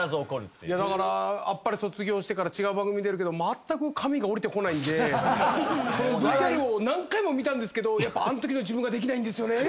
だから『あっぱれ』卒業してから違う番組出るけどまったく神が降りてこないんでこのＶＴＲを何回も見たんですけどやっぱあのときの自分ができないんですよね。